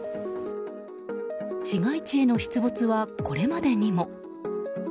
市街地への出没は、これまでにも。